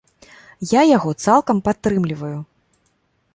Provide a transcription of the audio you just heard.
Я яго цалкам падтрымліваю.